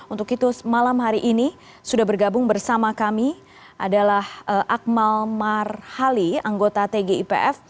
untuk itu malam hari ini sudah bergabung bersama kami adalah akmal marhali anggota tgipf